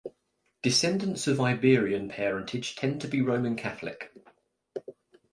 Descendants of Iberian parentage tend to be Roman Catholic.